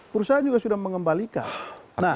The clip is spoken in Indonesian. perusahaan juga sudah mengembalikan